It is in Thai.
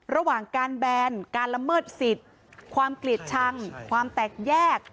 ระหว่างการแบนการละเมิดสิทธิ์ความเกลียดชังความแตกแยก